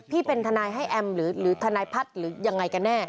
พี่เป็นทนายให้แอมหรือทนายพัฒน์หรือยังไงกันแน่